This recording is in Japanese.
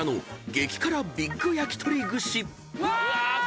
うわ！